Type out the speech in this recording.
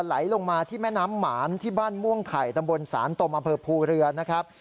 ไหลลงมาที่แม่น้ำหมานที่บ้านม่วงไข่ตำบลศาลตมอำเภอภูเรือนะครับ